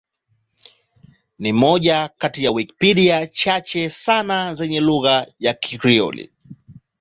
Ni moja kati ya Wikipedia chache sana za lugha ya aina ya Krioli.